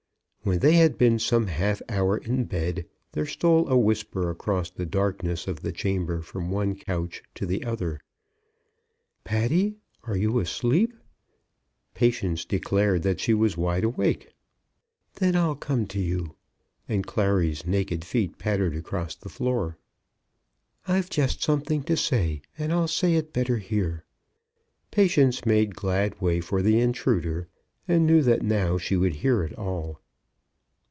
When they had been some half hour in bed, there stole a whisper across the darkness of the chamber from one couch to the other; "Patty, are you asleep?" Patience declared that she was wide awake. "Then I'll come to you," and Clary's naked feet pattered across the room. "I've just something to say, and I'll say it better here." Patience made glad way for the intruder, and knew that now she would hear it all.